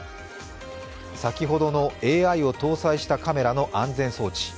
先ほどのＡＩを搭載したカメラの安全装置。